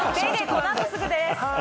この後すぐです。